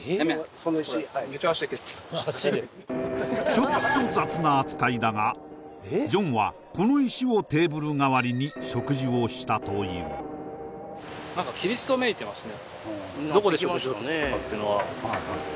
ちょっと雑な扱いだがジョンはこの石をテーブル代わりに食事をしたというああそれ系ですね